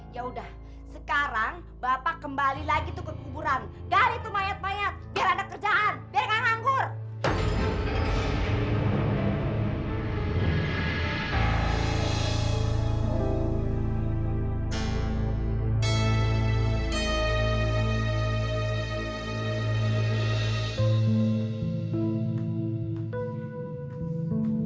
ya udah sekarang bapak kembali lagi tuh ke kuburan